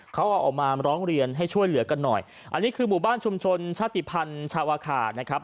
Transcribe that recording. เขาเอาออกมาร้องเรียนให้ช่วยเหลือกันหน่อยอันนี้คือหมู่บ้านชุมชนชาติภัณฑ์ชาวาคานะครับ